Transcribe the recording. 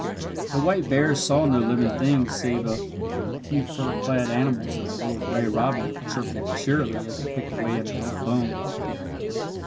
The white bear saw no living thing save a few fur clad animals and a little gray robin chirping cheerily as it picked away at an old bone.